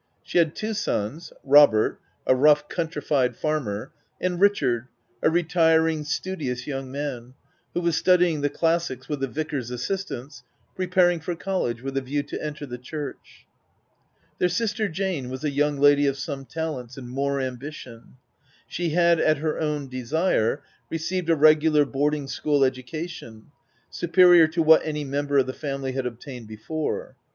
She had two sons, Robert, a rough countrified farmer, and Richard, a retiring, studi ous young man, who was studying the classics with the vicar's assistance, preparing for college, with a view to enter the church. Their sister Jane was a young lady of some OF WILDFELL HALL. 27 talents and more ambition. She had at her own desire, received a regular boarding school education, superior to what any member of the family had obtained before.